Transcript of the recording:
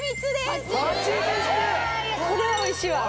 これはおいしいわ。